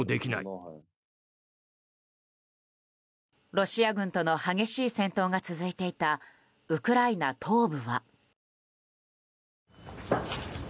ロシア軍との激しい戦闘が続いていたウクライナ東部は。